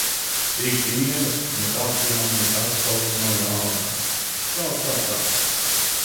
Ik dienas mēs apņemamies atkal un no jauna. Kaut kā tā.